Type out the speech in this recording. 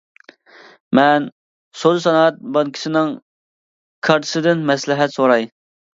مەن سودا سانائەت بانكىسىنىڭ كارتىسىدىن مەسلىھەت سوراي.